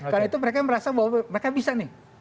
karena itu mereka merasa bahwa mereka bisa nih